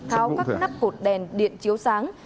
tháo các nắp cột đèn điện chiếu sáng